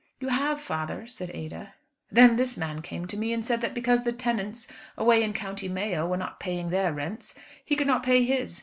"You have, father," said Ada. "Then this man came to me and said that because the tenants away in County Mayo were not paying their rents, he could not pay his.